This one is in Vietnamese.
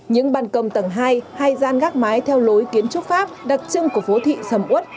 những bàn công tầng hai hay gian gác mái theo lối kiến trúc pháp đặc trưng của phố thị sầm út